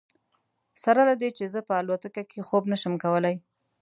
سره له دې چې زه په الوتکه کې خوب نه شم کولی.